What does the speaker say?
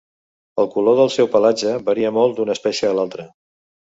El color del seu pelatge varia molt d'una espècie a l'altra.